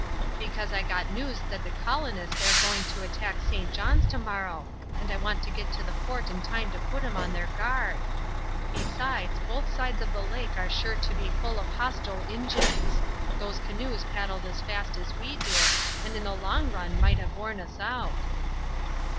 "Because I got news that the colonists air going to attack St. John's to morrow, and I want to get to the fort in time to put 'em on their guard. Besides, both sides of the lake are sure to be full of hostile Injuns. Those canoes paddled as fast as we did, and in the long run might have worn us out."